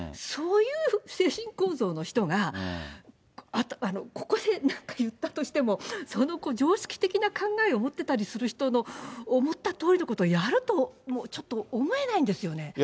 そういう精神構造の人が、ここでなんか言ったとしても、その常識的な考えを持ってたりする人の思ったとおりのことをやると、もう、ちょっと思えないんですよね。